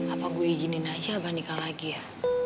apa gue ijinin aja abah nikah lagi ya